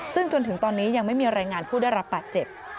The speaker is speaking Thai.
ซึ่งจนถึงตอนนี้ยังไม่มีรายงานผู้ได้รับบาดเจ็บ